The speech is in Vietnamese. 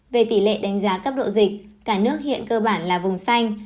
về tỷ lệ đánh giá cấp độ dịch cả nước hiện cơ bản là vùng xanh